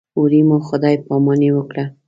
هورې مو خدای پاماني وکړه.